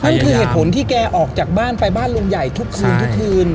นั่นคือเหตุผลที่แกออกจากบ้านไปบ้านลุงใหญ่ทุกคืนทุกคืน